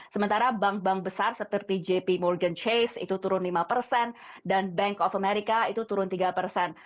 sementara bank bank besar seperti jp morgan chase itu turun lima persen dan bank of america itu turun tiga persen